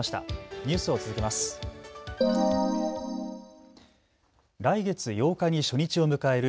ニュースを続けます。